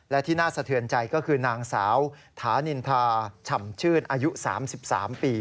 และที่น่าสะเทือนใจก็คือนางสาวถานินทาฉ่ำชื่นอายุ๓๓ปี